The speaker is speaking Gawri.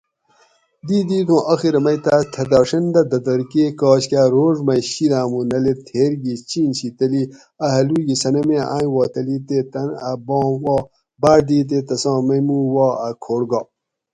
دیت دیت ھوں آخرہ مئ تاۤس تھتاڛین دہ دتر کہ کاچ کاۤ روڛ مئ شید آمو نہ لید تھیر گی چِین شی تلی اۤ ھلوئ گی صنم ایں آیٔیں وا تلی تے تن اۤ باۤم وا باڄ دیت تے تساں میموک وا اۤ کھوٹ گا